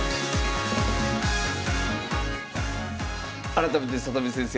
改めて里見先生